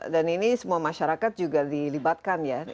dan ini semua masyarakat juga dilibatkan ya